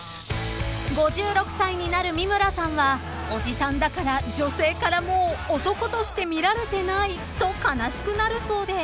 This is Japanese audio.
［５６歳になる三村さんはおじさんだから女性からもう男として見られてないと悲しくなるそうで］